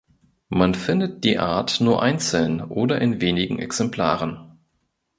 Man findet die Art nur einzeln oder in wenigen Exemplaren.